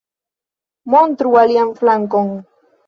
Montru alian flankon